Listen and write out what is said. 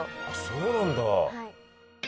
そうなんだ。